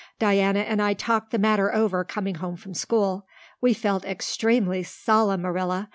Diana and I talked the matter over coming home from school. We felt extremely solemn, Marilla.